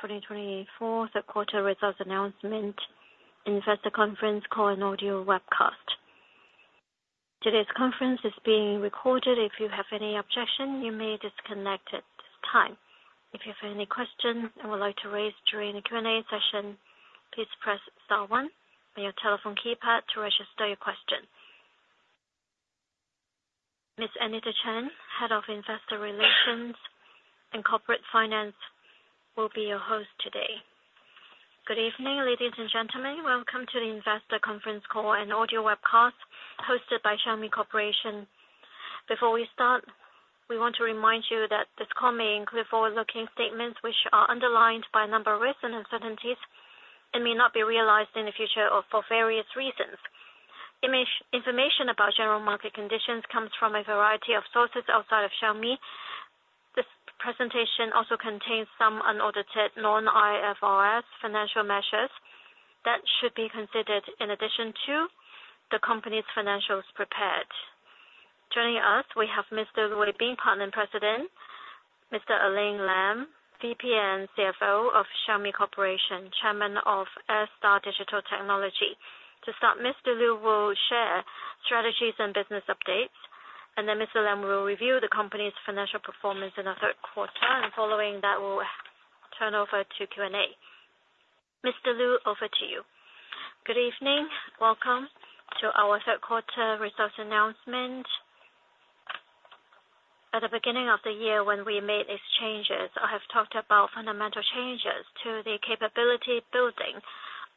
2024 third quarter results announcement, investor conference, call, and audio webcast. Today's conference is being recorded. If you have any objection, you may disconnect at this time. If you have any questions you would like to raise during the Q&A session, please press star one on your telephone keypad to register your question. Ms. Anita Chen, Head of Investor Relations and Corporate Finance, will be your host today. Good evening, ladies and gentlemen. Welcome to the investor conference call and audio webcast hosted by Xiaomi Corporation. Before we start, we want to remind you that this call may include forward-looking statements which are underlined by a number of risks and uncertainties and may not be realized in the future for various reasons. Information about general market conditions comes from a variety of sources outside of Xiaomi. This presentation also contains some unaudited non-IFRS financial measures that should be considered in addition to the company's financials prepared. Joining us, we have Mr. Lu Weibing, Partner and President; Mr. Alain Lam, VP and CFO of Xiaomi Corporation, Chairman of Airstar Digital Technology. To start, Mr. Lu will share strategies and business updates, and then Mr. Lam will review the company's financial performance in the third quarter. Following that, we'll turn over to Q&A. Mr. Lu, over to you. Good evening. Welcome to our third quarter results announcement. At the beginning of the year, when we made exchanges, I have talked about fundamental changes to the capability building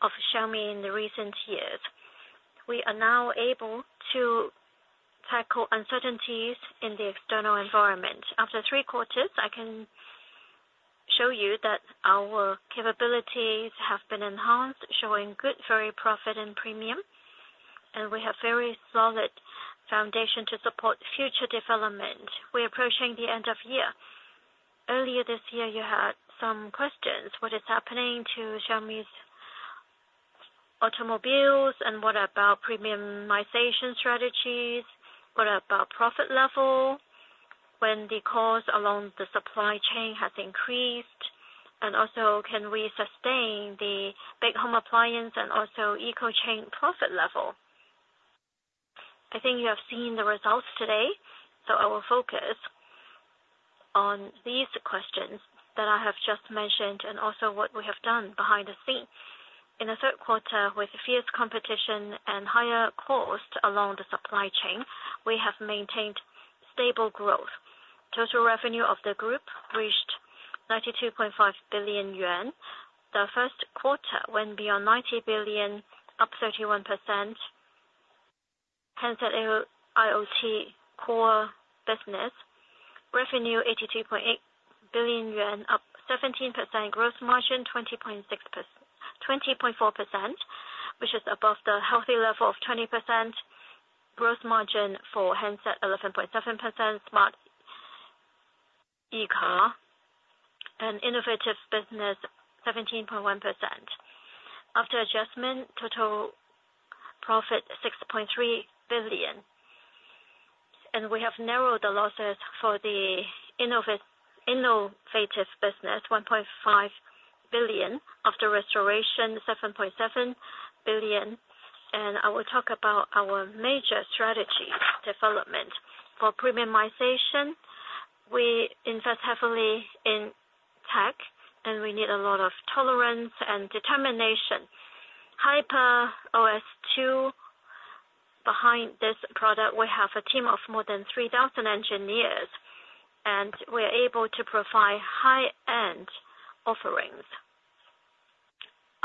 of Xiaomi in the recent years. We are now able to tackle uncertainties in the external environment. After three quarters, I can show you that our capabilities have been enhanced, showing good, very profitable premium, and we have a very solid foundation to support future development. We're approaching the end of the year. Earlier this year, you had some questions: what is happening to Xiaomi's automobiles, and what about premiumization strategies? What about profit level when the cost along the supply chain has increased? And also, can we sustain the big home appliance and also ecosystem profit level? I think you have seen the results today, so I will focus on these questions that I have just mentioned and also what we have done behind the scenes. In the third quarter, with fierce competition and higher cost along the supply chain, we have maintained stable growth. Total revenue of the group reached 92.5 billion yuan. The first quarter went beyond 90 billion, up 31%. Hence, the IoT core business revenue, 82.8 billion yuan, up 17%. Gross margin, 20.4%, which is above the healthy level of 20%. Gross margin for handsets, 11.7%. Smart e-car and innovative business, 17.1%. After adjustment, total profit, 6.3 billion. And we have narrowed the losses for the innovative business, 1.5 billion. After restoration, 7.7 billion. And I will talk about our major strategy development. For premiumization, we invest heavily in tech, and we need a lot of tolerance and determination. HyperOS 2, behind this product, we have a team of more than 3,000 engineers, and we are able to provide high-end offerings.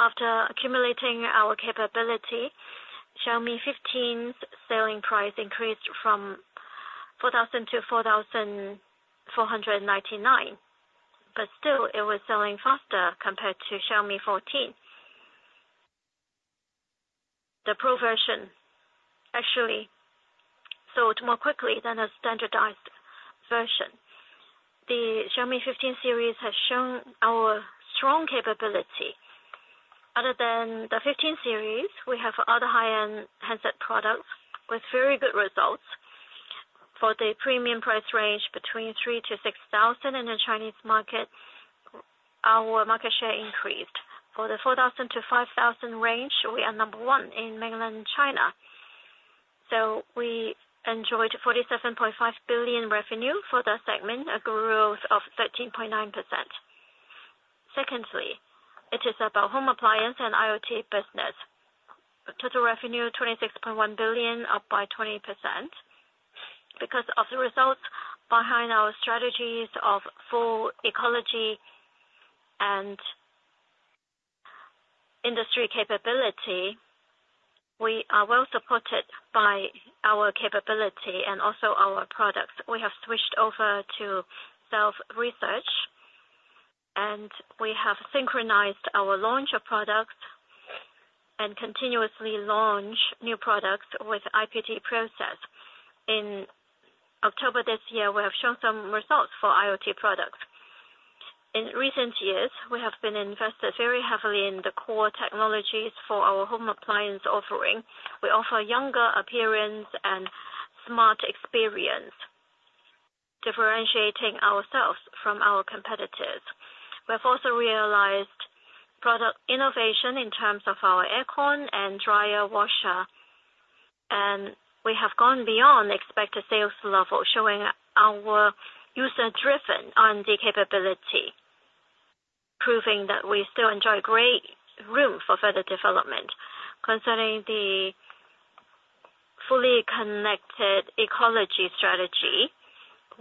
After accumulating our capability, Xiaomi 15's selling price increased from 4,000 to 4,499, but still, it was selling faster compared to Xiaomi 14. The Pro version actually sold more quickly than a standardized version. The Xiaomi 15 series has shown our strong capability. Other than the 15 series, we have other high-end handset products with very good results. For the premium price range between 3,000-6,000 in the Chinese market, our market share increased. For the 4,000-5,000 range, we are number one in mainland China. So we enjoyed 47.5 billion revenue for that segment, a growth of 13.9%. Secondly, it is about home appliance and IoT business. Total revenue, 26.1 billion, up by 20%. Because of the results behind our strategies of full ecology and industry capability, we are well supported by our capability and also our products. We have switched over to self-research, and we have synchronized our launch of products and continuously launch new products with IPD process. In October this year, we have shown some results for IoT products. In recent years, we have been invested very heavily in the core technologies for our home appliance offering. We offer a younger appearance and smart experience, differentiating ourselves from our competitors. We have also realized product innovation in terms of our aircon and dryer washer, and we have gone beyond expected sales level, showing our user-driven R&D capability, proving that we still enjoy great room for further development. Concerning the fully connected ecology strategy,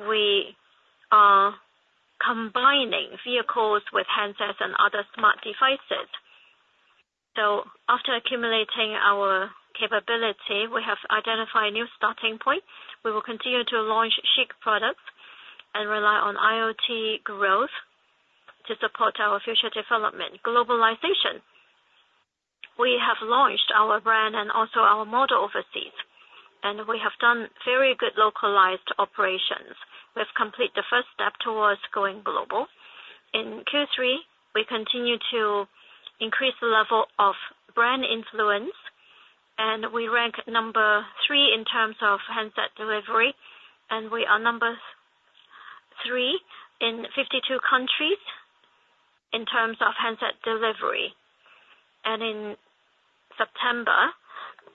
we are combining vehicles with handsets and other smart devices. After accumulating our capability, we have identified new starting points. We will continue to launch chic products and rely on IoT growth to support our future development. Globalization, we have launched our brand and also our model overseas, and we have done very good localized operations. We have completed the first step towards going global. In Q3, we continue to increase the level of brand influence, and we rank number three in terms of handset delivery, and we are number three in 52 countries in terms of handset delivery. In September,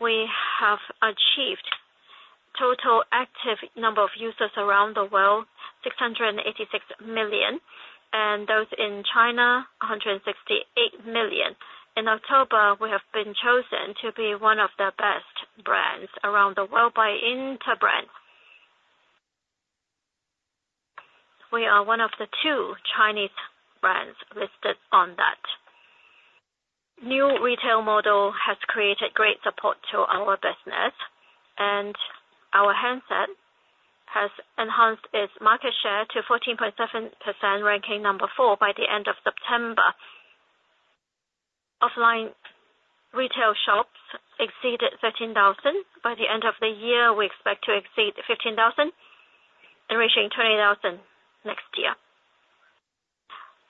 we have achieved total active number of users around the world, 686 million, and those in China, 168 million. In October, we have been chosen to be one of the best brands around the world by Interbrand. We are one of the two Chinese brands listed on that. New retail model has created great support to our business, and our handset has enhanced its market share to 14.7%, ranking number four by the end of September. Offline retail shops exceeded 13,000. By the end of the year, we expect to exceed 15,000 and reaching 20,000 next year.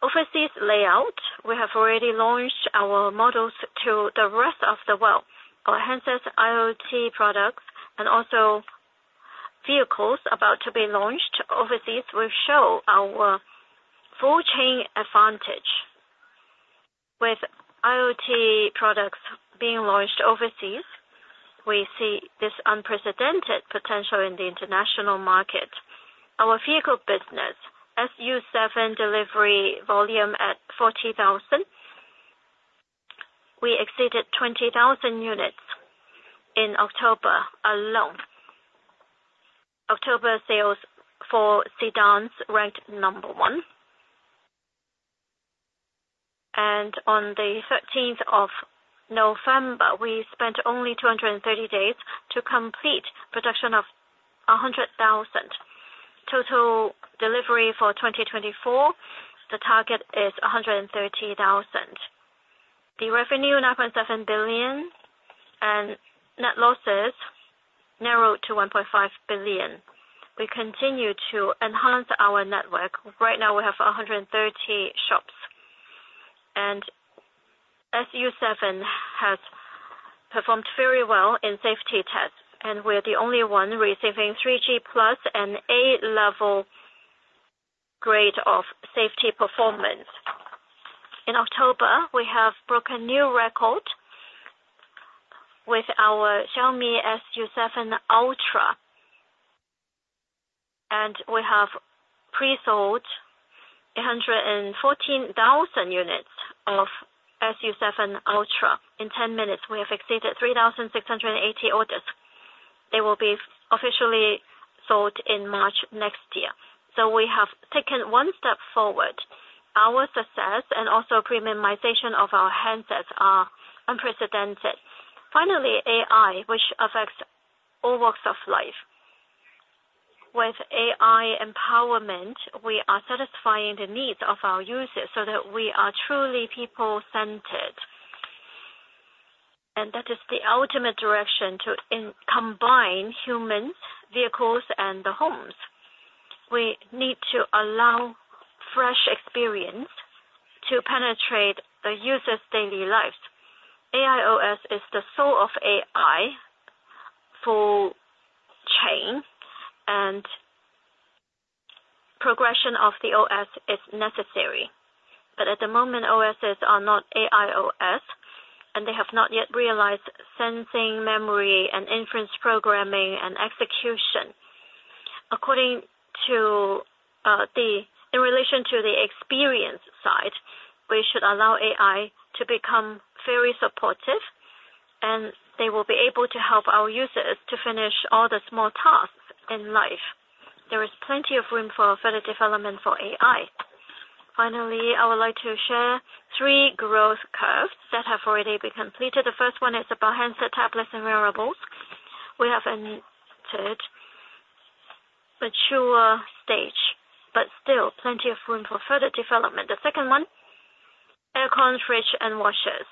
Overseas layout: we have already launched our models to the rest of the world. Our handsets, IoT products, and also vehicles about to be launched overseas will show our full chain advantage. With IoT products being launched overseas, we see this unprecedented potential in the international market. Our vehicle business: SU7 delivery volume at 40,000. We exceeded 20,000 units in October alone. October sales for sedans ranked number one, and on the 13th of November, we spent only 230 days to complete production of 100,000. Total delivery for 2024: the target is 130,000. The revenue 9.7 billion, and net losses narrowed to 1.5 billion. We continue to enhance our network. Right now, we have 130 shops, and SU7 has performed very well in safety tests, and we are the only one receiving 3G Plus and A-level grade of safety performance. In October, we have broken new record with our Xiaomi SU7 Ultra, and we have pre-sold 114,000 units of SU7 Ultra. In 10 minutes, we have exceeded 3,680 orders. They will be officially sold in March next year. So we have taken one step forward. Our success and also premiumization of our handsets are unprecedented. Finally, AI, which affects all walks of life. With AI empowerment, we are satisfying the needs of our users so that we are truly people-centered. And that is the ultimate direction to combine humans, vehicles, and the homes. We need to allow fresh experience to penetrate the user's daily lives. AI OS is the soul of AI full chain, and progression of the OS is necessary. But at the moment, OSs are not AI OS, and they have not yet realized sensing, memory, and inference programming and execution. According to the, in relation to the experience side, we should allow AI to become very supportive, and they will be able to help our users to finish all the small tasks in life. There is plenty of room for further development for AI. Finally, I would like to share three growth curves that have already been completed. The first one is about handset tablets and wearables. We have entered a mature stage, but still plenty of room for further development. The second one, aircons, fridges, and washers.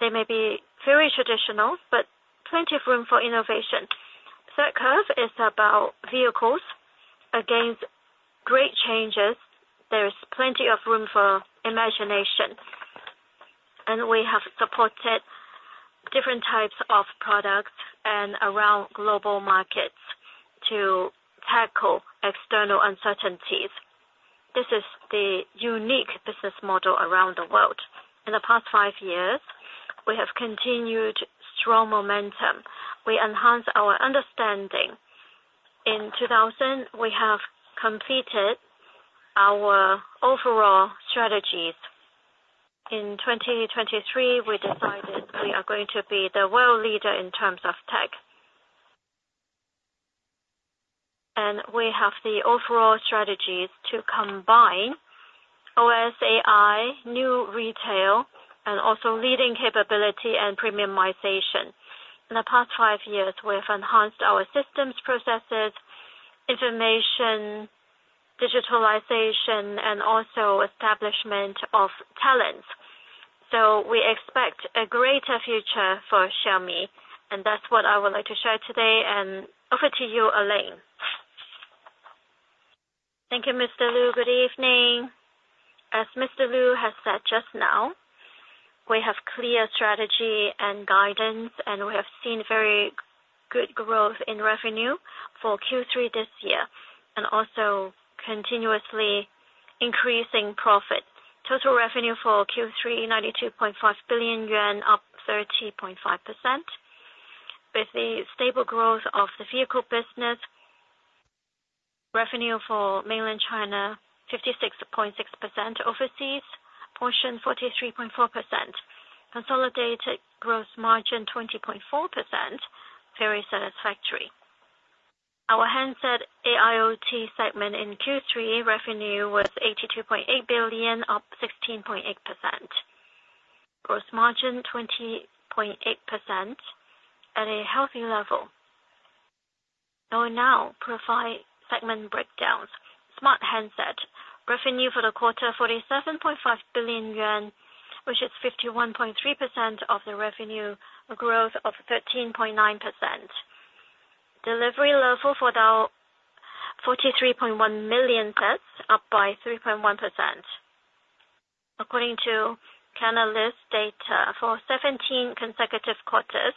They may be very traditional, but plenty of room for innovation. Third curve is about vehicles. Against great changes, there is plenty of room for imagination. And we have supported different types of products and around global markets to tackle external uncertainties. This is the unique business model around the world. In the past five years, we have continued strong momentum. We enhanced our understanding. In 2000, we have completed our overall strategies. In 2023, we decided we are going to be the world leader in terms of tech. And we have the overall strategies to combine OS, AI, new retail, and also leading capability and premiumization. In the past five years, we have enhanced our systems, processes, information, digitalization, and also establishment of talents. So we expect a greater future for Xiaomi, and that's what I would like to share today and offer to you, Alain. Thank you, Mr. Lu. Good evening. As Mr. Lu has said just now, we have clear strategy and guidance, and we have seen very good growth in revenue for Q3 this year and also continuously increasing profit. Total revenue for Q3, 92.5 billion yuan, up 30.5%. With the stable growth of the vehicle business, revenue for mainland China, 56.6%; overseas portion, 43.4%. Consolidated gross margin, 20.4%, very satisfactory. Our handset AIoT segment in Q3 revenue was 82.8 billion, up 16.8%. Gross margin, 20.8%, at a healthy level. Now, segment breakdowns. Smart handset, revenue for the quarter, 47.5 billion yuan, which is 51.3% of the revenue, a growth of 13.9%. Delivery level for the 43.1 million sets, up by 3.1%. According to Canalys data, for 17 consecutive quarters,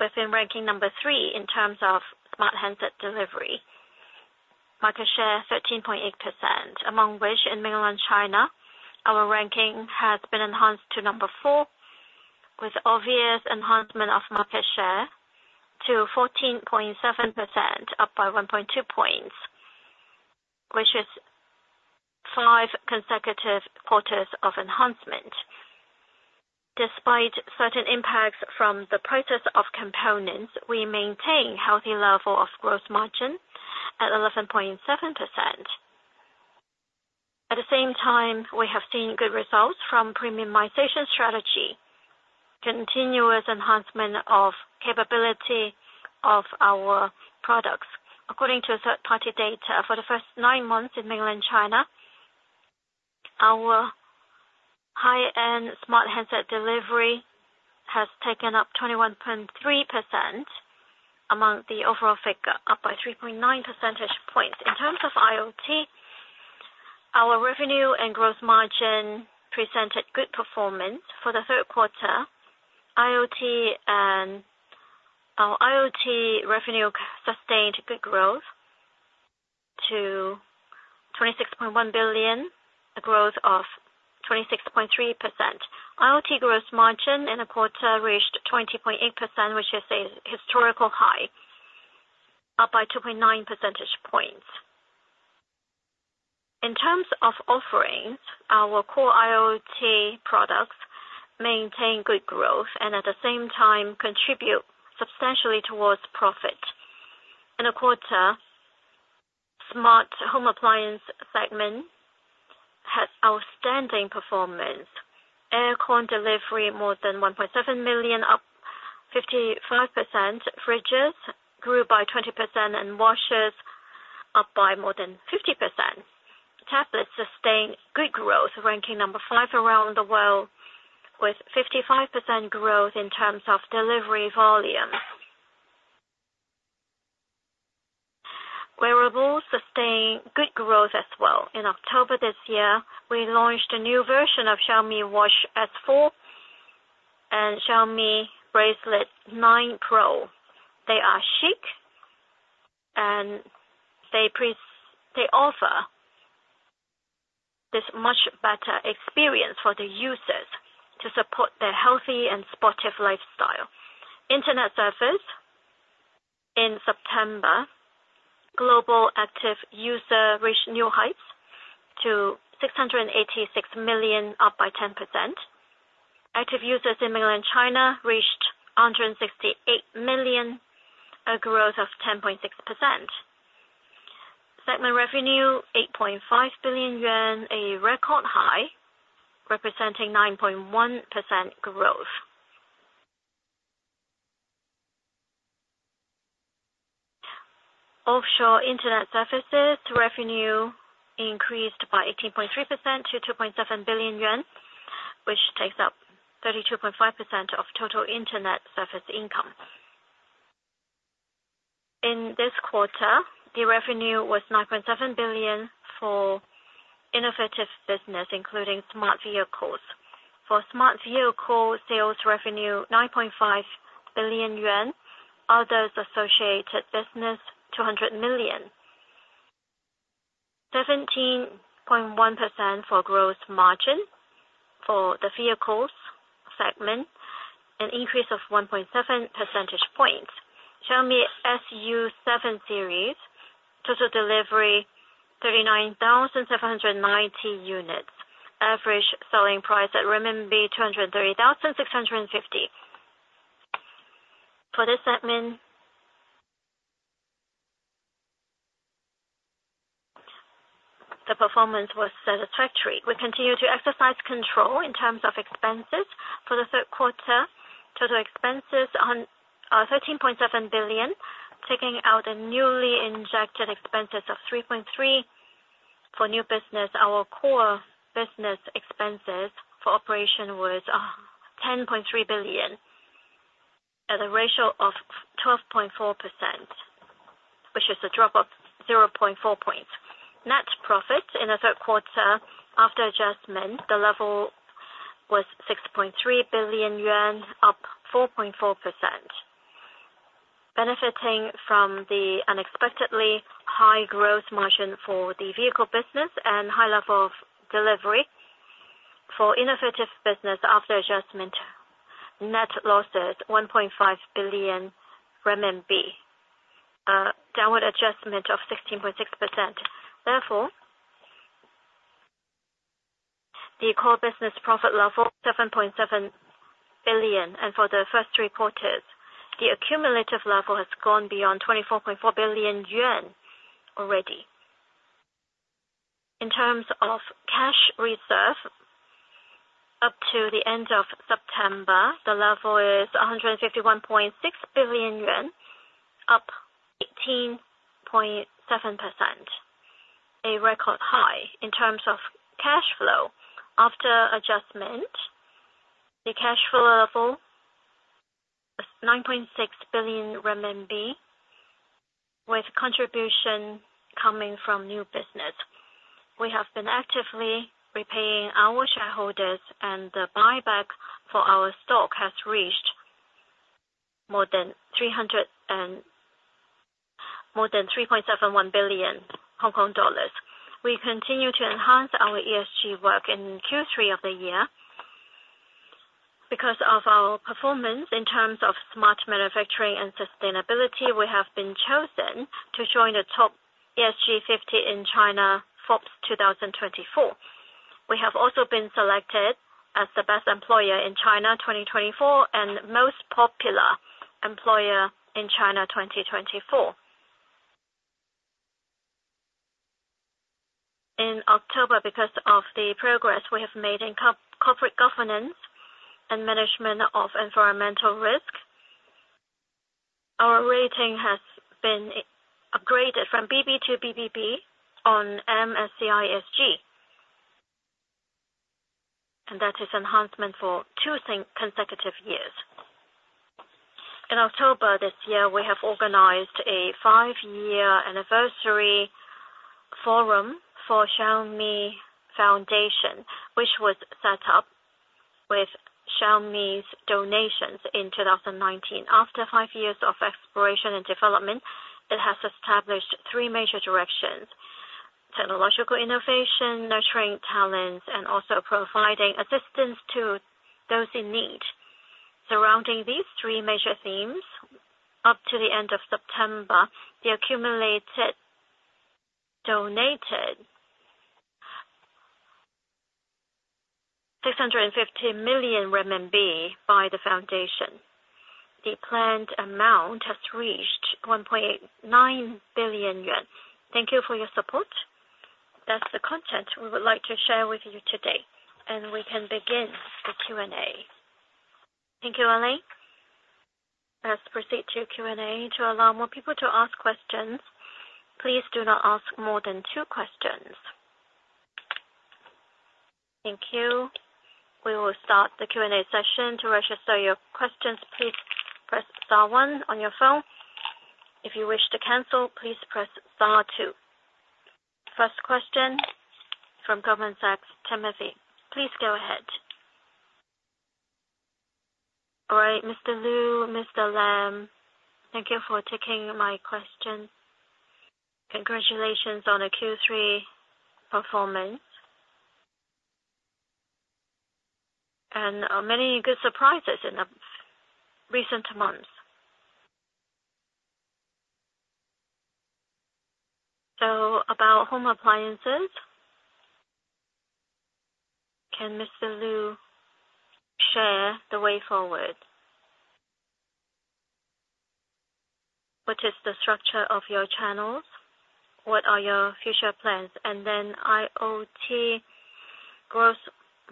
we've been ranking number three in terms of smart handset delivery. Market share, 13.8%, among which in Mainland China, our ranking has been enhanced to number four with obvious enhancement of market share to 14.7%, up by 1.2 points, which is five consecutive quarters of enhancement. Despite certain impacts from the process of components, we maintain a healthy level of gross margin at 11.7%. At the same time, we have seen good results from premiumization strategy, continuous enhancement of capability of our products. According to third-party data, for the first nine months in Mainland China, our high-end smart handset delivery has taken up 21.3% among the overall figure, up by 3.9 percentage points. In terms of IoT, our revenue and gross margin presented good performance for the third quarter. IoT revenue sustained good growth to 26.1 billion, a growth of 26.3%. IoT gross margin in the quarter reached 20.8%, which is a historical high, up by 2.9 percentage points. In terms of offerings, our core IoT products maintain good growth and at the same time contribute substantially towards profit. In the quarter, smart home appliance segment had outstanding performance. Aircon delivery, more than 1.7 million, up 55%. Fridges grew by 20% and washers up by more than 50%. Tablets sustained good growth, ranking number five around the world with 55% growth in terms of delivery volume. Wearables sustained good growth as well. In October this year, we launched a new version of Xiaomi Watch S4 and Xiaomi Bracelet 9 Pro. They are chic, and they offer this much better experience for the users to support their healthy and sportive lifestyle. Internet services in September, global active users reached new heights of 686 million, up by 10%. Active users in Mainland China reached 168 million, a growth of 10.6%. Segment revenue, 8.5 billion yuan, a record high representing 9.1% growth. Overseas internet services revenue increased by 18.3% to 2.7 billion yuan, which takes up 32.5% of total internet service income. In this quarter, the revenue was 9.7 billion for innovative business, including smart vehicles. For smart vehicle sales, revenue 9.5 billion yuan, others associated business 200 million. 17.1% for gross margin for the vehicles segment, an increase of 1.7 percentage points. Xiaomi SU7 series, total delivery 39,790 units, average selling price at renminbi 230,650. For this segment, the performance was satisfactory. We continue to exercise control in terms of expenses. For the third quarter, total expenses are 13.7 billion, taking out a newly injected expenses of 3.3 billion for new business. Our core business expenses for operation was 10.3 billion at a ratio of 12.4%, which is a drop of 0.4 points. Net profit in the third quarter, after adjustment, the level was 6.3 billion yuan, up 4.4%. Benefiting from the unexpectedly high gross margin for the vehicle business and high level of delivery for innovative business after adjustment, net losses 1.5 billion renminbi, a downward adjustment of 16.6%. Therefore, the core business profit level 7.7 billion, and for the first three quarters, the accumulative level has gone beyond 24.4 billion yuan already. In terms of cash reserve, up to the end of September, the level is 151.6 billion yuan, up 18.7%, a record high in terms of cash flow. After adjustment, the cash flow level is CNY 9.6 billion, with contribution coming from new business. We have been actively repaying our shareholders, and the buyback for our stock has reached more than 3.71 billion Hong Kong dollars. We continue to enhance our ESG work in Q3 of the year. Because of our performance in terms of smart manufacturing and sustainability, we have been chosen to join the top ESG 50 in China Forbes 2024. We have also been selected as the best employer in China 2024 and most popular employer in China 2024. In October, because of the progress we have made in corporate governance and management of environmental risk, our rating has been upgraded from BB to BBB on MSCI SG, and that is enhancement for two consecutive years. In October this year, we have organized a five-year anniversary forum for Xiaomi Foundation, which was set up with Xiaomi's donations in 2019. After five years of exploration and development, it has established three major directions: technological innovation, nurturing talents, and also providing assistance to those in need. Surrounding these three major themes, up to the end of September, the accumulated donated 650 million RMB by the foundation. The planned amount has reached 1.9 billion yuan. Thank you for your support. That's the content we would like to share with you today, and we can begin the Q&A. Thank you, Alain. Let's proceed to Q&A to allow more people to ask questions. Please do not ask more than two questions. Thank you. We will start the Q&A session. To register your questions, please press star one on your phone. If you wish to cancel, please press star two. First question from Goldman Sachs, Timothy. Please go ahead. All right, Mr. Lu, Mr. Lam, thank you for taking my question. Congratulations on a Q3 performance and many good surprises in the recent months. So about home appliances, can Mr. Lu share the way forward? What is the structure of your channels? What are your future plans? And then IoT gross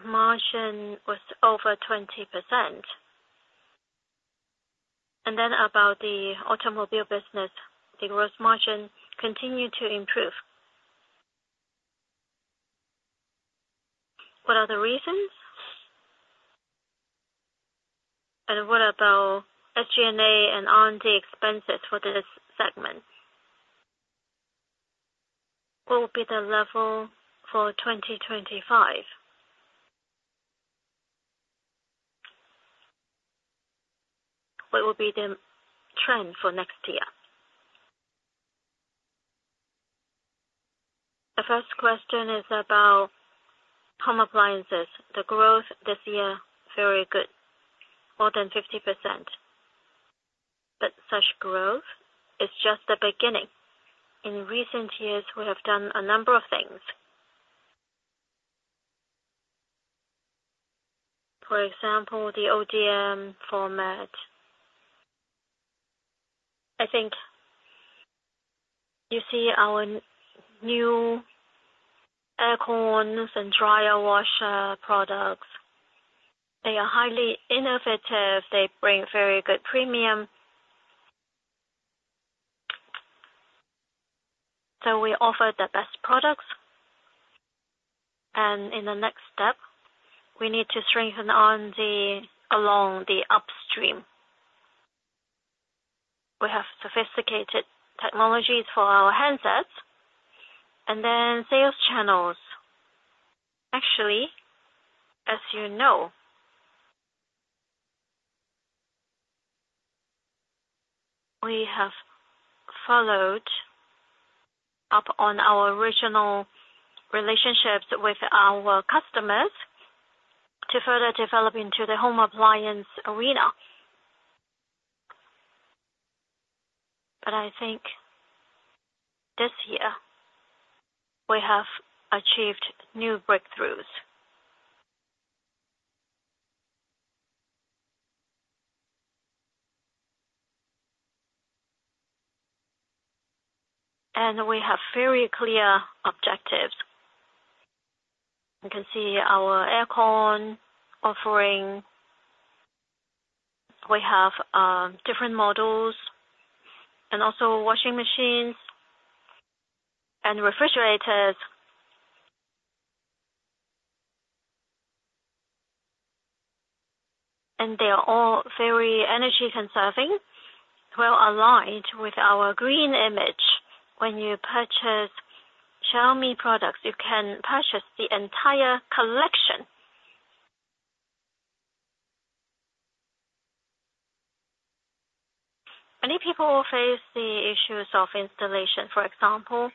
margin was over 20%. And then about the automobile business, the gross margin continued to improve. What are the reasons? And what about SG&A and R&D expenses for this segment? What will be the level for 2025? What will be the trend for next year? The first question is about home appliances. The growth this year, very good, more than 50%. But such growth is just the beginning. In recent years, we have done a number of things. For example, the ODM format. I think you see our new aircon and dryer washer products. They are highly innovative. They bring very good premium. So we offer the best products. And in the next step, we need to strengthen along the upstream. We have sophisticated technologies for our handsets. And then sales channels. Actually, as you know, we have followed up on our original relationships with our customers to further develop into the home appliance arena. But I think this year, we have achieved new breakthroughs. And we have very clear objectives. You can see our aircon offering. We have different models and also washing machines and refrigerators. And they are all very energy-conserving, well-aligned with our green image. When you purchase Xiaomi products, you can purchase the entire collection. Many people face the issues of installation. For example,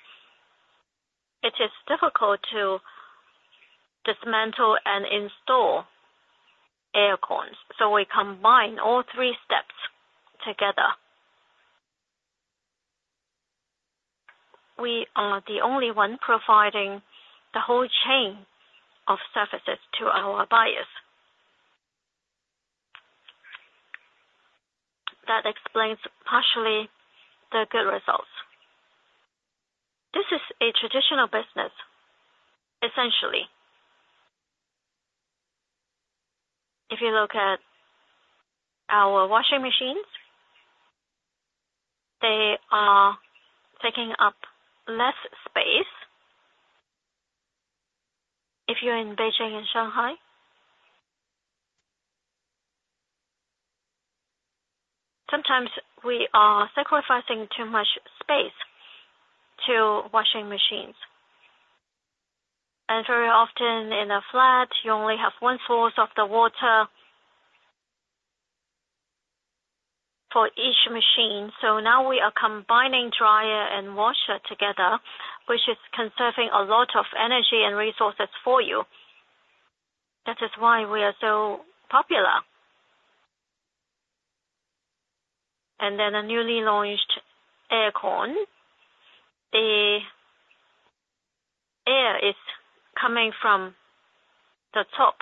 it is difficult to dismantle and install aircons. So we combine all three steps together. We are the only one providing the whole chain of services to our buyers. That explains partially the good results. This is a traditional business, essentially. If you look at our washing machines, they are taking up less space. If you're in Beijing and Shanghai, sometimes we are sacrificing too much space to washing machines, and very often in a flat, you only have one source of the water for each machine, so now we are combining dryer and washer together, which is conserving a lot of energy and resources for you. That is why we are so popular, and then a newly launched aircon. The air is coming from the top,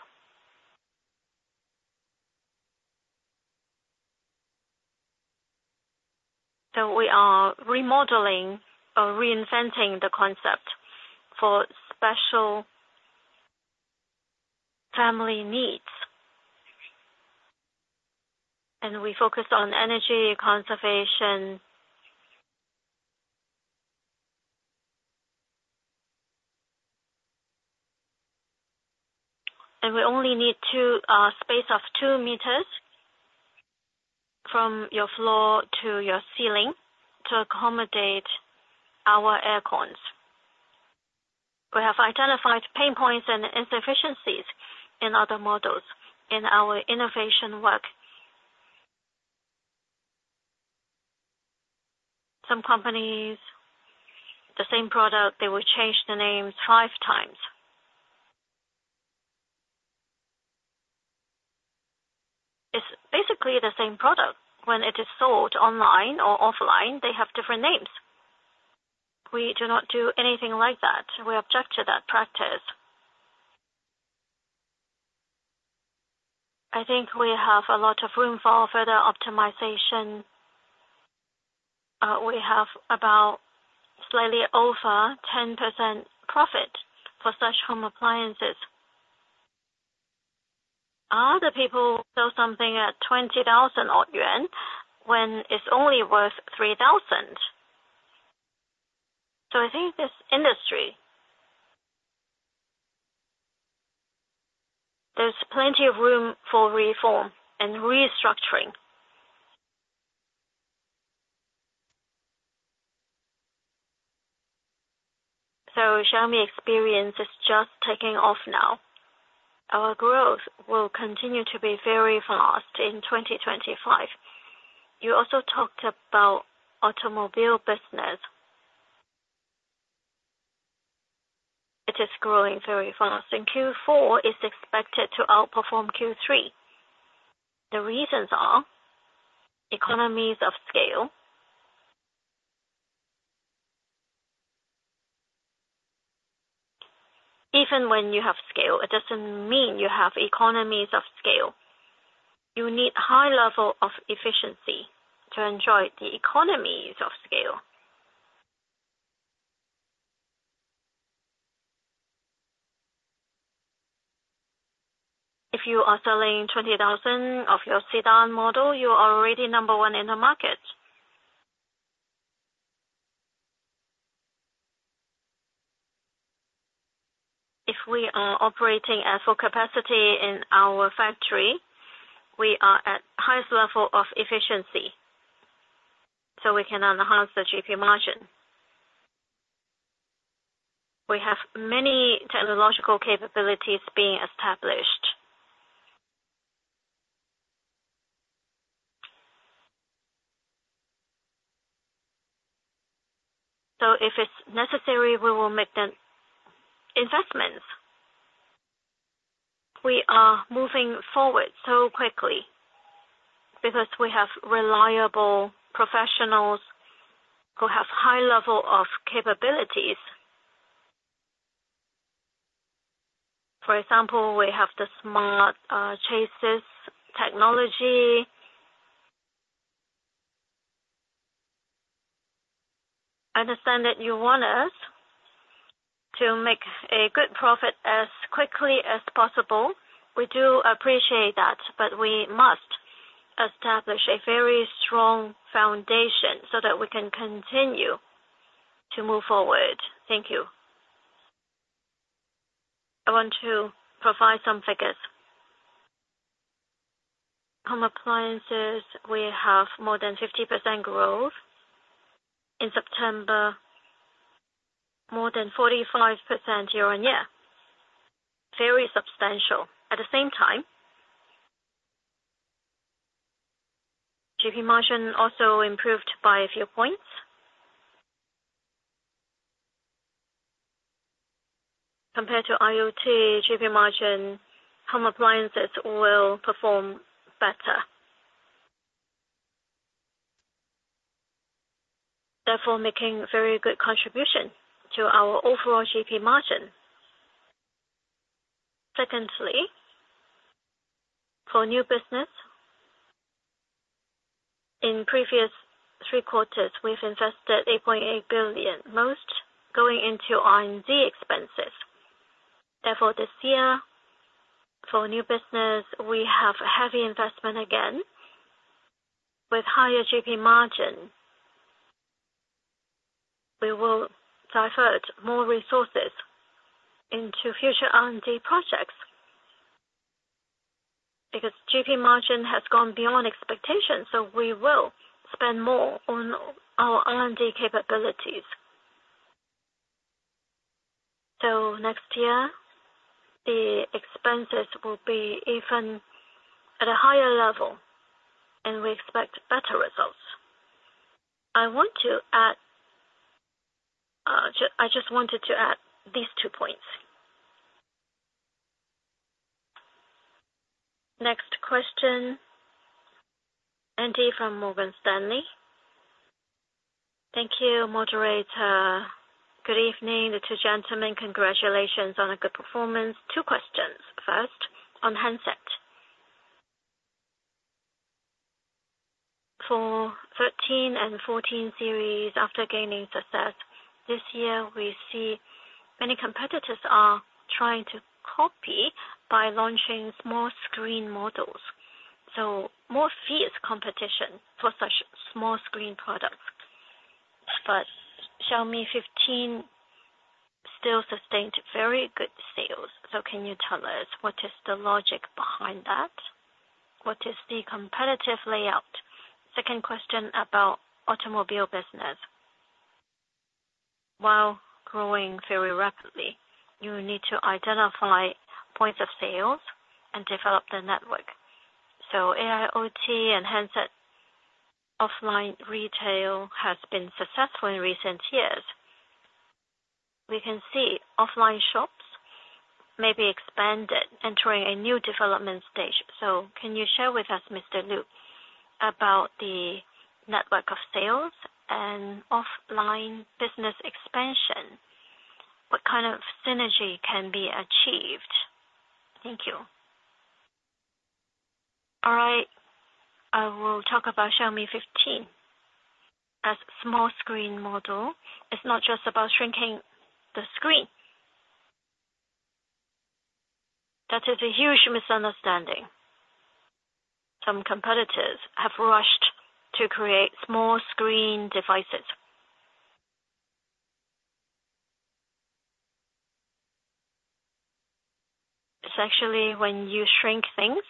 so we are remodeling or reinventing the concept for special family needs, and we focus on energy conservation, and we only need a space of two meters from your floor to your ceiling to accommodate our aircons. We have identified pain points and insufficiencies in other models in our innovation work. Some companies, the same product, they will change the names five times. It's basically the same product. When it is sold online or offline, they have different names. We do not do anything like that. We object to that practice. I think we have a lot of room for further optimization. We have about slightly over 10% profit for such home appliances. Other people sell something at 20,000 yuan when it's only worth 3,000. So I think this industry, there's plenty of room for reform and restructuring. So Xiaomi experience is just taking off now. Our growth will continue to be very fast in 2025. You also talked about automobile business. It is growing very fast. And Q4 is expected to outperform Q3. The reasons are economies of scale. Even when you have scale, it doesn't mean you have economies of scale. You need a high level of efficiency to enjoy the economies of scale. If you are selling 20,000 of your sedan model, you are already number one in the market. If we are operating at full capacity in our factory, we are at the highest level of efficiency. So we can enhance the GP margin. We have many technological capabilities being established. So if it's necessary, we will make the investments. We are moving forward so quickly because we have reliable professionals who have a high level of capabilities. For example, we have the smart chassis technology. I understand that you want us to make a good profit as quickly as possible. We do appreciate that, but we must establish a very strong foundation so that we can continue to move forward. Thank you. I want to provide some figures. Home appliances, we have more than 50% growth in September, more than 45% year-on-year. Very substantial. At the same time, GP margin also improved by a few points. Compared to IoT, GP margin, home appliances will perform better. Therefore, making a very good contribution to our overall GP margin. Secondly, for new business, in previous three quarters, we've invested 8.8 billion, most going into R&D expenses. Therefore, this year, for new business, we have heavy investment again. With higher GP margin, we will divert more resources into future R&D projects because GP margin has gone beyond expectations. So we will spend more on our R&D capabilities. So next year, the expenses will be even at a higher level, and we expect better results. I want to add, I just wanted to add these two points. Next question, Andy from Morgan Stanley. Thank you, Moderator. Good evening, the two gentlemen. Congratulations on a good performance. Two questions. First, on handset. For 13 and 14 series, after gaining success, this year, we see many competitors are trying to copy by launching small screen models. So more fierce competition for such small screen products. But Xiaomi 15 still sustained very good sales. So can you tell us what is the logic behind that? What is the competitive layout? Second question about automobile business. While growing very rapidly, you need to identify points of sales and develop the network. So AIoT and handset offline retail has been successful in recent years. We can see offline shops may be expanded, entering a new development stage. So can you share with us, Mr. Lu, about the network of sales and offline business expansion? What kind of synergy can be achieved? Thank you. All right. I will talk about Xiaomi 15. As a small screen model, it's not just about shrinking the screen. That is a huge misunderstanding. Some competitors have rushed to create small screen devices. It's actually when you shrink things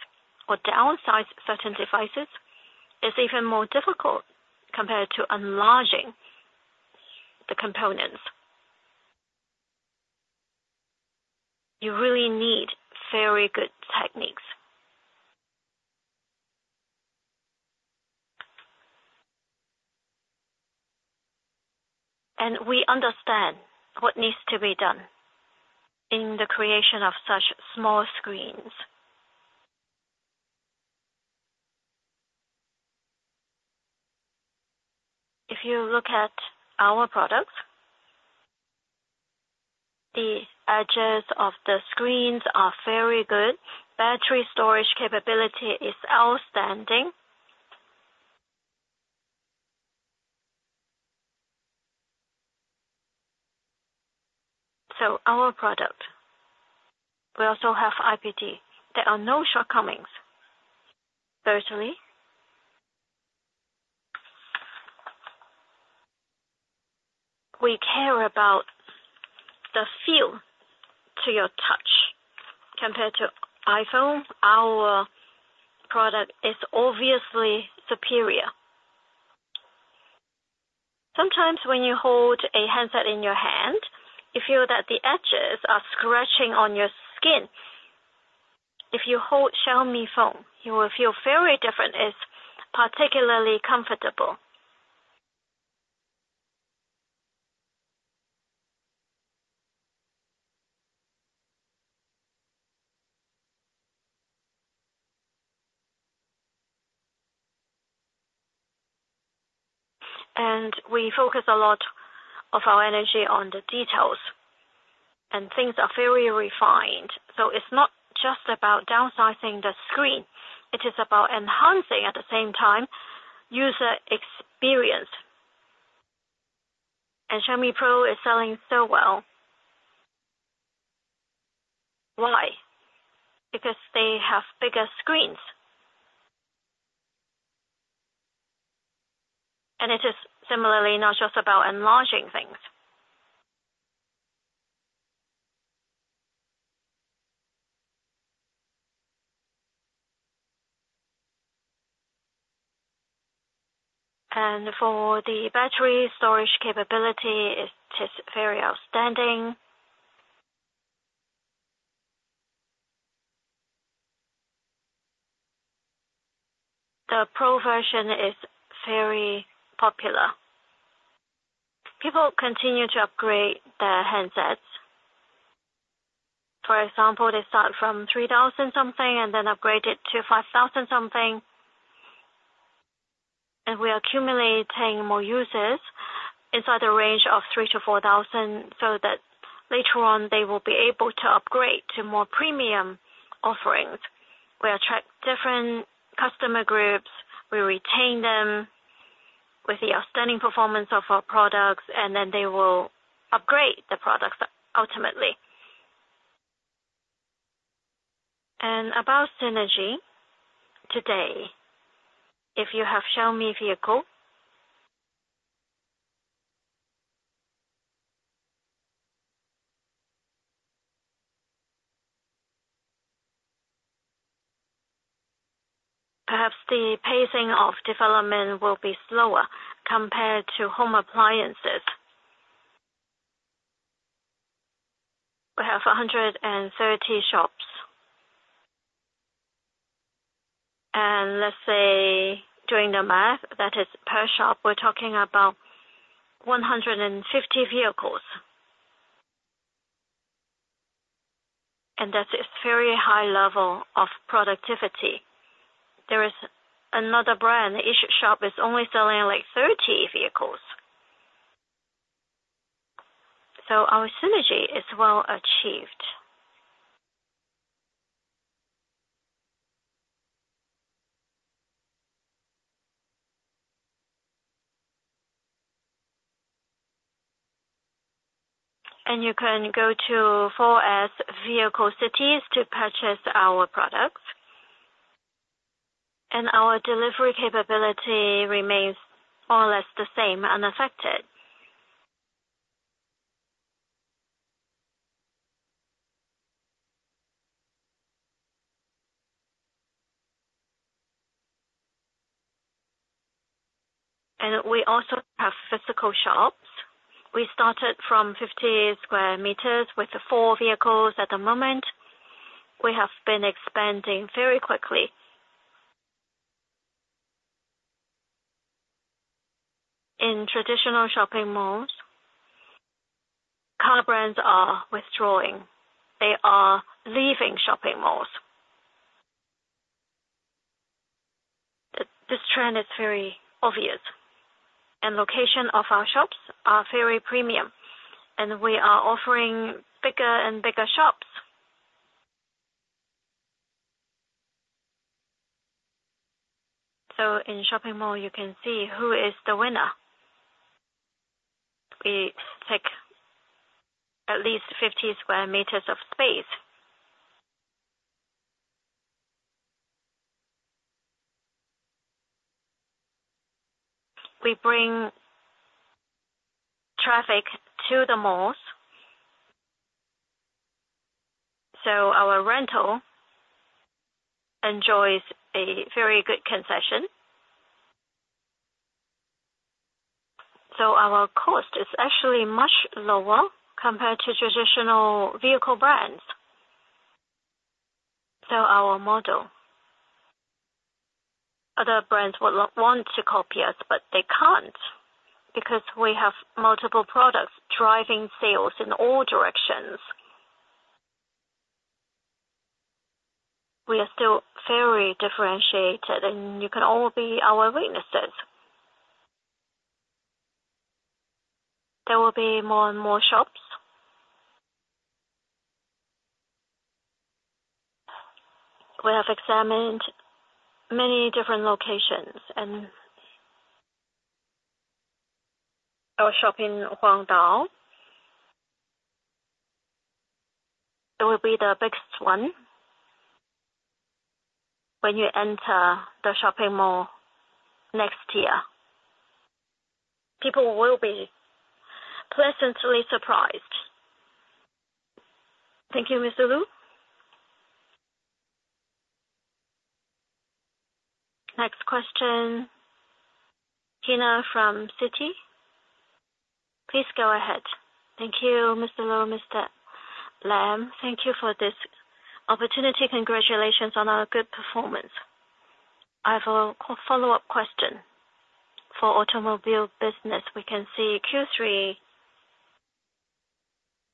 or downsize certain devices, it's even more difficult compared to enlarging the components. You really need very good techniques and we understand what needs to be done in the creation of such small screens. If you look at our products, the edges of the screens are very good. Battery storage capability is outstanding. So our product, we also have IPD. There are no shortcomings. Thirdly, we care about the feel to your touch. Compared to iPhone, our product is obviously superior. Sometimes when you hold a handset in your hand, you feel that the edges are scratching on your skin. If you hold Xiaomi phone, you will feel very different. It's particularly comfortable and we focus a lot of our energy on the details and things are very refined. It's not just about downsizing the screen. It is about enhancing at the same time user experience. And Xiaomi Pro is selling so well. Why? Because they have bigger screens. And it is similarly not just about enlarging things. And for the battery storage capability, it is very outstanding. The Pro version is very popular. People continue to upgrade their handsets. For example, they start from 3,000 something and then upgrade it to 5,000 something. And we are accumulating more users inside the range of 3,000-4,000 so that later on they will be able to upgrade to more premium offerings. We attract different customer groups. We retain them with the outstanding performance of our products, and then they will upgrade the products ultimately. And about synergy today, if you have Xiaomi vehicle, perhaps the pacing of development will be slower compared to home appliances. We have 130 shops. And let's say, doing the math, that is per shop, we're talking about 150 vehicles. And that is very high level of productivity. There is another brand. Each shop is only selling like 30 vehicles. So our synergy is well achieved. And you can go to 4S Vehicle Cities to purchase our products. And our delivery capability remains more or less the same, unaffected. And we also have physical shops. We started from 50 sq m with four vehicles at the moment. We have been expanding very quickly. In traditional shopping malls, car brands are withdrawing. They are leaving shopping malls. This trend is very obvious. And location of our shops are very premium. And we are offering bigger and bigger shops. So in shopping mall, you can see who is the winner. We take at least 50 sq m of space. We bring traffic to the malls, so our rental enjoys a very good concession. So our cost is actually much lower compared to traditional vehicle brands, so our model, other brands would want to copy us, but they can't because we have multiple products driving sales in all directions. We are still very differentiated, and you can all be our witnesses. There will be more and more shops. We have examined many different locations, and our shop in Huangdao will be the biggest one when you enter the shopping mall next year. People will be pleasantly surprised. Thank you, Mr. Lu. Next question, Kyna from Citi. Please go ahead. Thank you, Mr. Lu, Mr. Lam. Thank you for this opportunity. Congratulations on our good performance. I have a follow-up question. For automobile business, we can see Q3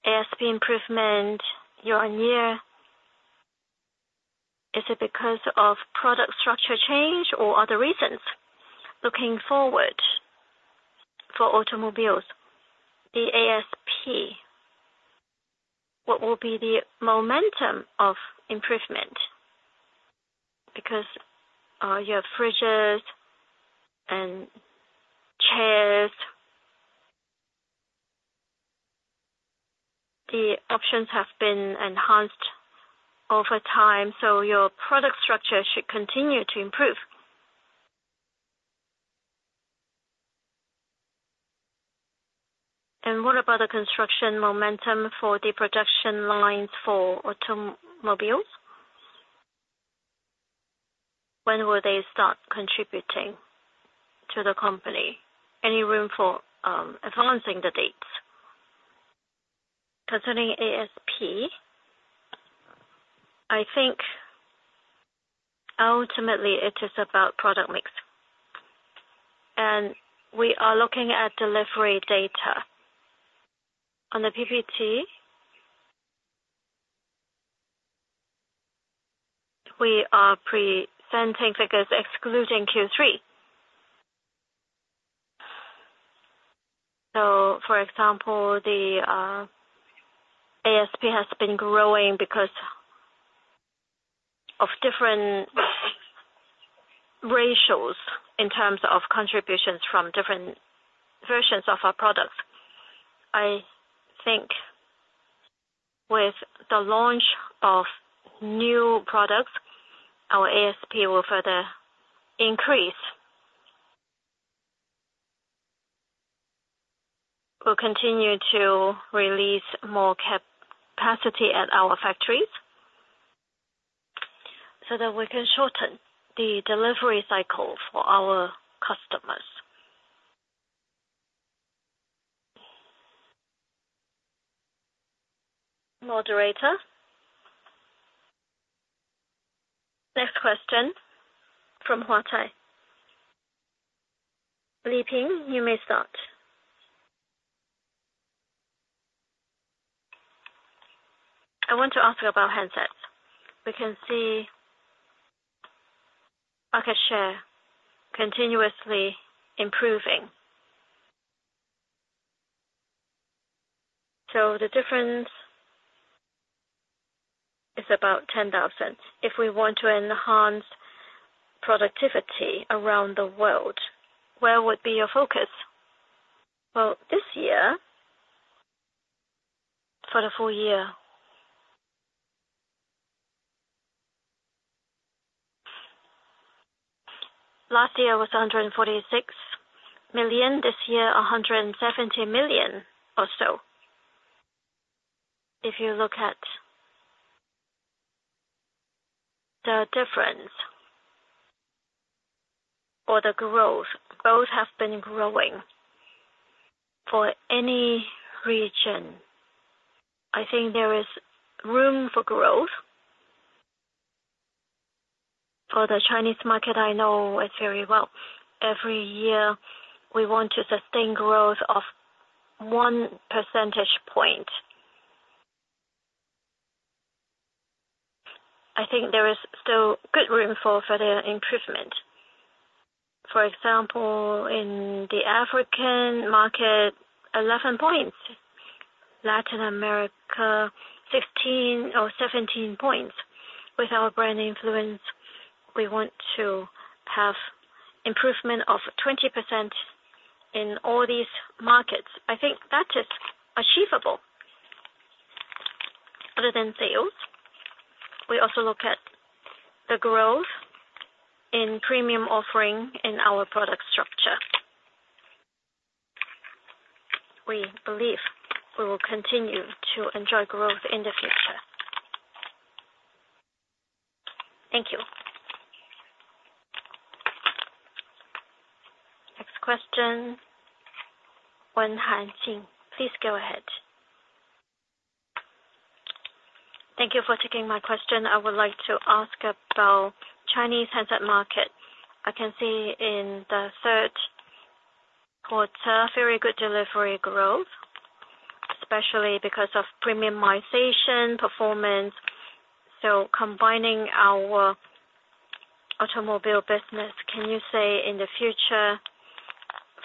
ASP improvement year-on-year. Is it because of product structure change or other reasons? Looking forward for automobiles, the ASP, what will be the momentum of improvement? Because you have fridges and chairs, the options have been enhanced over time, so your product structure should continue to improve. And what about the construction momentum for the production lines for automobiles? When will they start contributing to the company? Any room for advancing the dates? Concerning ASP, I think ultimately it is about product mix. And we are looking at delivery data. On the PPT, we are presenting figures excluding Q3. So for example, the ASP has been growing because of different ratios in terms of contributions from different versions of our products. I think with the launch of new products, our ASP will further increase. We'll continue to release more capacity at our factories so that we can shorten the delivery cycle for our customers. Moderator. Next question from Huachuang Securities. Li Ping, you may start. I want to ask you about handsets. We can see market share continuously improving. So the difference is about 10,000. If we want to enhance productivity around the world, where would be your focus? Well, this year, for the full year. Last year was 146 million. This year, 170 million or so. If you look at the difference or the growth, both have been growing for any region. I think there is room for growth. For the Chinese market, I know it very well. Every year, we want to sustain growth of 1 percentage point. I think there is still good room for further improvement. For example, in the African market, 11 points. Latin America, 16 or 17 points. With our brand influence, we want to have improvement of 20% in all these markets. I think that is achievable. Other than sales, we also look at the growth in premium offering in our product structure. We believe we will continue to enjoy growth in the future. Thank you. Next question, Hanjin Wen. Please go ahead. Thank you for taking my question. I would like to ask about Chinese handset market. I can see in the third quarter, very good delivery growth, especially because of premiumization performance. So combining our automobile business, can you say in the future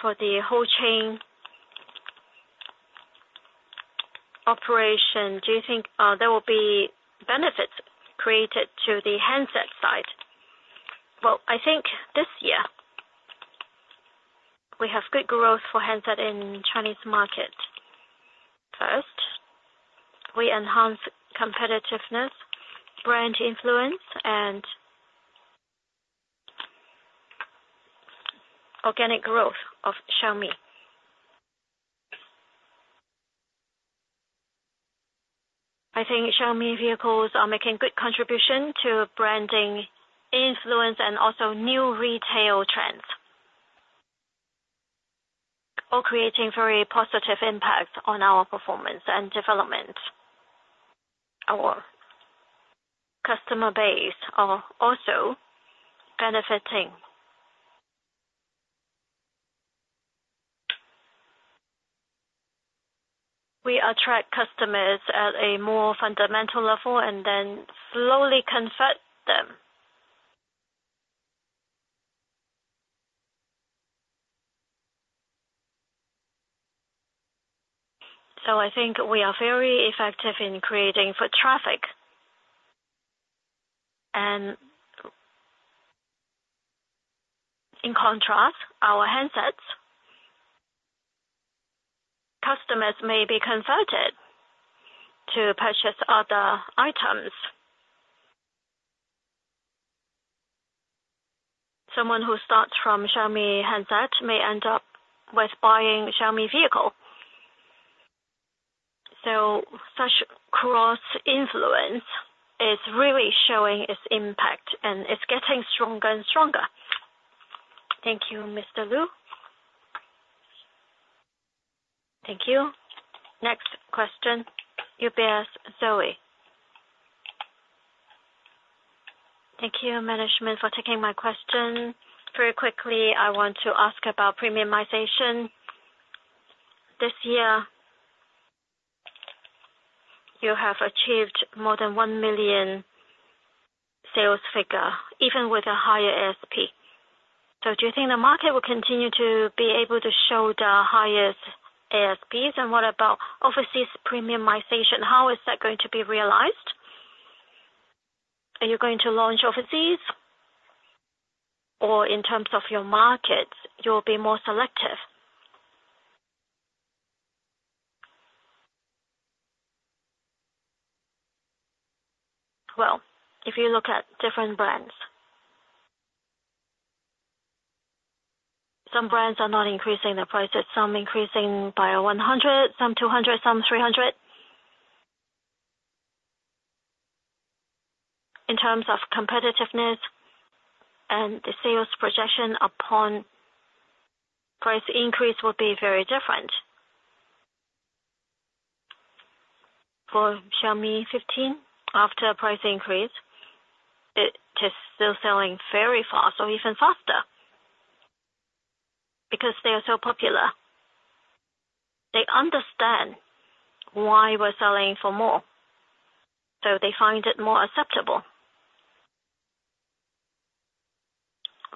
for the whole chain operation, do you think there will be benefits created to the handset side? I think this year, we have good growth for handset in Chinese market. First, we enhance competitiveness, brand influence, and organic growth of Xiaomi. I think Xiaomi vehicles are making good contribution to branding influence and also new retail trends, all creating very positive impacts on our performance and development. Our customer base are also benefiting. We attract customers at a more fundamental level and then slowly convert them. So I think we are very effective in creating foot traffic, and in contrast, our handsets customers may be converted to purchase other items. Someone who starts from Xiaomi handset may end up with buying Xiaomi vehicle. So such cross-influence is really showing its impact, and it's getting stronger and stronger. Thank you, Mr. Lu. Thank you. Next question, Zoe Xu. Thank you, management, for taking my question. Very quickly, I want to ask about premiumization. This year, you have achieved more than 1 million sales figure, even with a higher ASP. Do you think the market will continue to be able to show the highest ASPs? What about overseas premiumization? How is that going to be realized? Are you going to launch overseas? Or in terms of your markets, you'll be more selective? If you look at different brands, some brands are not increasing their prices. Some increasing by 100, some 200, some 300. In terms of competitiveness and the sales projection upon price increase would be very different. For Xiaomi 15, after price increase, it is still selling very fast or even faster because they are so popular. They understand why we're selling for more. So they find it more acceptable.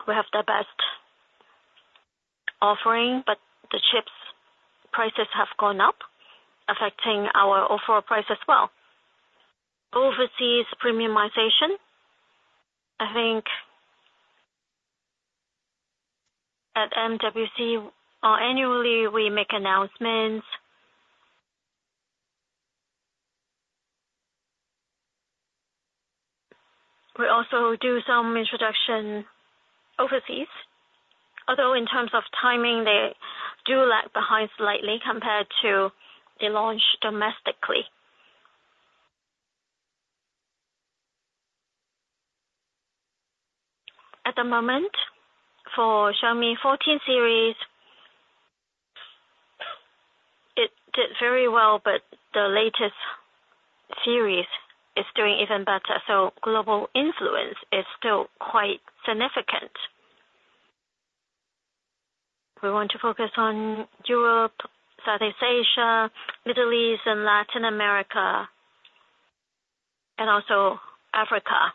We have the best offering, but the chip prices have gone up, affecting our overall price as well. Overseas premiumization, I think at MWC annually we make announcements. We also do some introduction overseas. Although in terms of timing, they do lag behind slightly compared to the launch domestically. At the moment, for Xiaomi 14 series, it did very well, but the latest series is doing even better. So global influence is still quite significant. We want to focus on Europe, Southeast Asia, Middle East, and Latin America, and also Africa.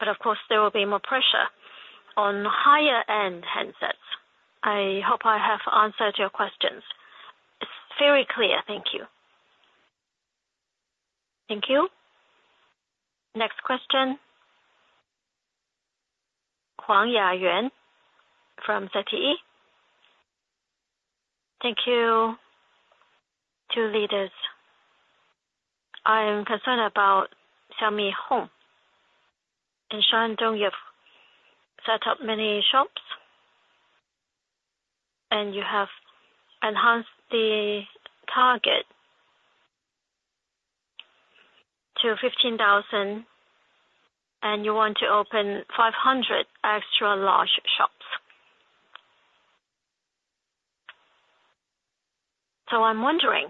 But of course, there will be more pressure on higher-end handsets. I hope I have answered your questions. It's very clear. Thank you. Thank you. Next question, Huang Yayuan from CITIC. Thank you. Two leaders. I am concerned about Xiaomi Home. In Shandong, you've set up many shops, and you have enhanced the target to 15,000, and you want to open 500 extra large shops. So I'm wondering,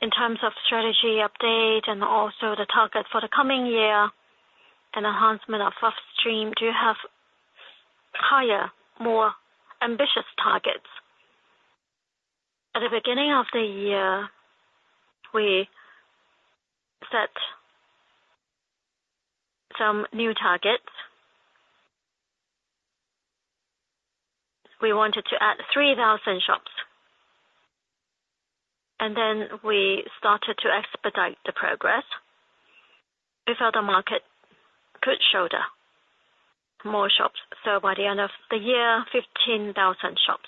in terms of strategy update and also the target for the coming year and enhancement of upstream, do you have higher, more ambitious targets? At the beginning of the year, we set some new targets. We wanted to add 3,000 shops. And then we started to expedite the progress. If other markets could show more shops. So by the end of the year, 15,000 shops.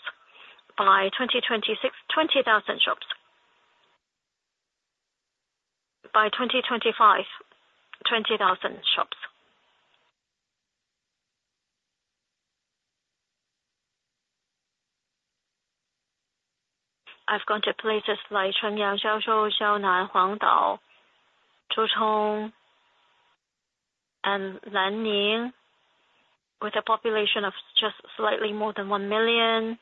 By 2026, 20,000 shops. By 2025, 20,000 shops. I've gone to places like Chun Lian, Xiao Zhou, Xiao Nan, Huangdao, Zhucheng, and Lan Ning. With a population of just slightly more than one million,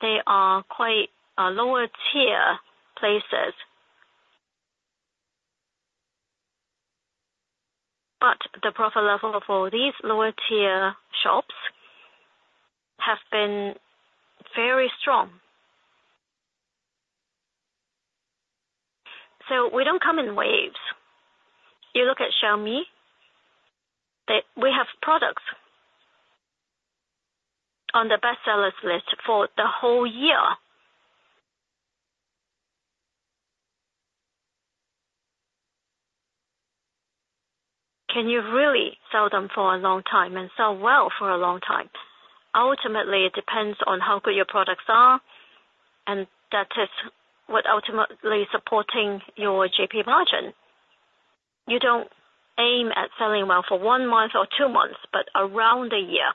they are quite lower-tier places. But the profile level for these lower-tier shops has been very strong. So we don't come in waves. You look at Xiaomi, we have products on the best sellers list for the whole year. Can you really sell them for a long time and sell well for a long time? Ultimately, it depends on how good your products are, and that is what ultimately supporting your GP margin. You don't aim at selling well for one month or two months, but around a year.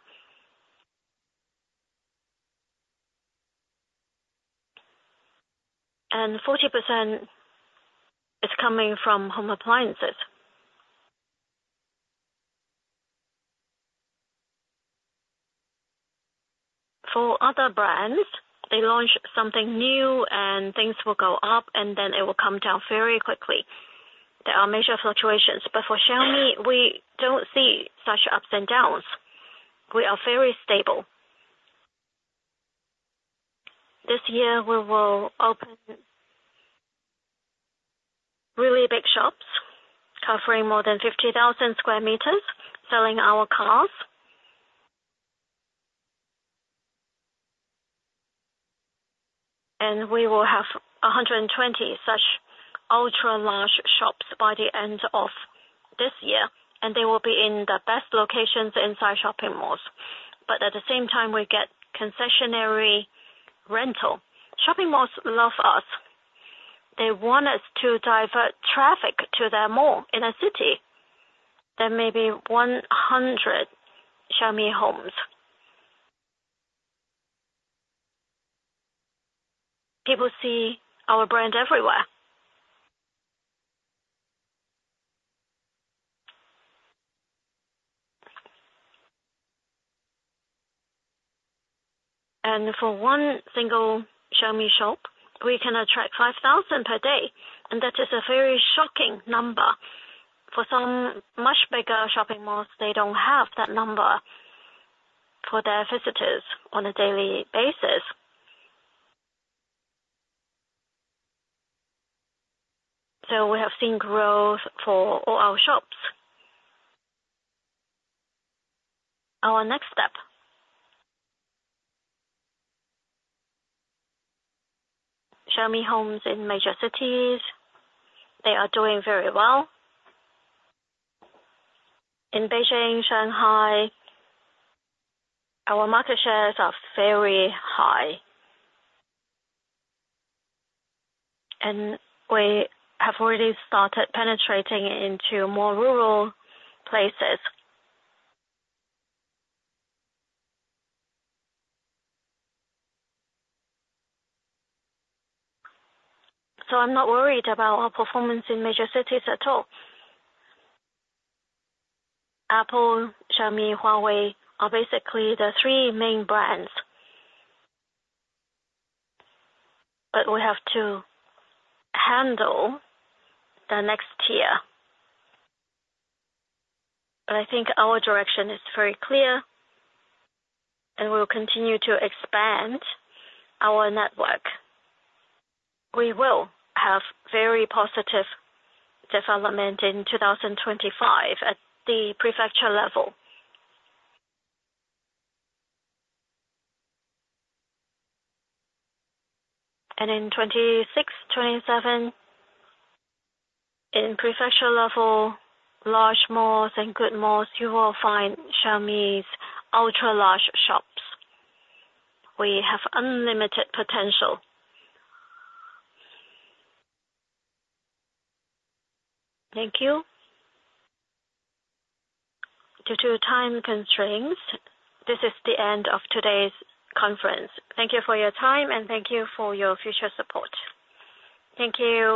And 40% is coming from home appliances. For other brands, they launch something new, and things will go up, and then it will come down very quickly. There are major fluctuations. But for Xiaomi, we don't see such ups and downs. We are very stable. This year, we will open really big shops covering more than 50,000 sq m, selling our cars. And we will have 120 such ultra-large shops by the end of this year, and they will be in the best locations inside shopping malls. But at the same time, we get concessionary rental. Shopping malls love us. They want us to divert traffic to their mall in a city. There may be 100 Xiaomi homes. People see our brand everywhere. For one single Xiaomi shop, we can attract 5,000 per day. That is a very shocking number. For some much bigger shopping malls, they don't have that number for their visitors on a daily basis. We have seen growth for all our shops. Our next step, Xiaomi homes in major cities, they are doing very well. In Beijing, Shanghai, our market shares are very high. We have already started penetrating into more rural places. I'm not worried about our performance in major cities at all. Apple, Xiaomi, Huawei are basically the three main brands. We have to handle the next tier. I think our direction is very clear, and we'll continue to expand our network. We will have very positive development in 2025 at the prefecture level. And in 2026, 2027, in prefecture level, large malls and good malls, you will find Xiaomi's ultra-large shops. We have unlimited potential. Thank you. Due to time constraints, this is the end of today's conference. Thank you for your time, and thank you for your future support. Thank you.